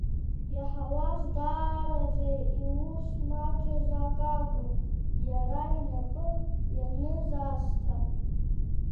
Иаҳауаз даараӡа иус маҷыз акакәын, иара инапы ианыз аасҭа.